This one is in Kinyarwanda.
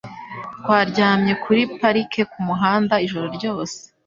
Twaryamye kuri parike kumuhanda ijoro ryose.